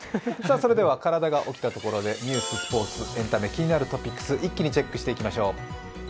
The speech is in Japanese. それでは体が起きたところでニュース、スポーツエンタメ、気になるトピックス、一気にチェックしていきましょう。